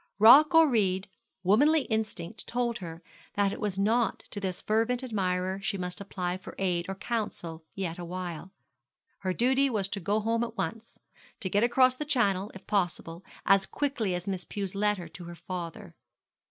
Rock or reed, womanly instinct told her that it was not to this fervent admirer she must apply for aid or counsel yet awhile. Her duty was to go home at once to get across the Channel, if possible, as quickly as Miss Pew's letter to her father.